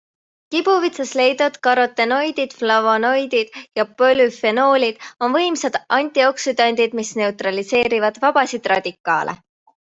Kibuvitsas leiduvad karotenoidid, flavonoidid ja polüfenoolid on võimsad antioksüdandid, mis neutraliseerivad vabasid radikaale.